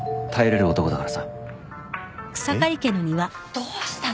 どうしたの？